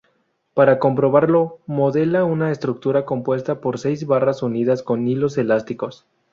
Para comprobarlo, modela una estructura compuesta por seis barras unidas con hilos elásticos.